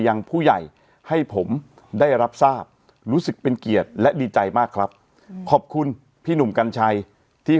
ยังผู้ใหญ่ให้ผมได้รับทราบรู้สึกเป็นเกียรติและดีใจมากครับขอบคุณพี่หนุ่มกัญชัยที่